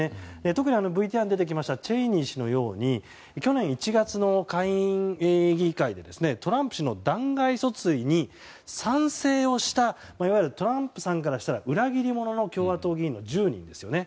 特にＶＴＲに出てきましたチェイニー氏のように去年１月の下院議会でトランプ氏の弾劾訴追に賛成をしたいわゆるトランプさんからしたら裏切り者の１０人ですよね。